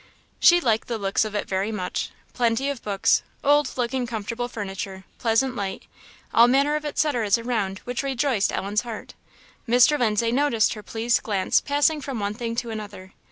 She liked the looks of it very much. Plenty of books; old looking comfortable furniture; pleasant light; all manner of etceteras around which rejoiced Ellen's heart. Mr. Lindsay noticed her pleased glance passing from one thing to another.